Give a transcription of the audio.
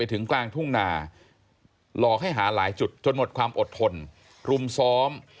ถึงกลางทุ่งนาหลอกให้หาหลายจุดจนหมดความอดทนรุมซ้อม